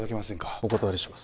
お断りします